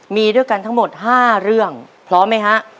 มีด้วยกันทั้งหมด๕เรื่องพร้อมไหมฮะ